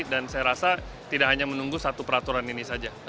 dan saya rasa tidak hanya menunggu satu peraturan ini saja